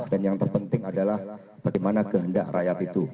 dan yang terpenting adalah bagaimana kehendak rakyat itu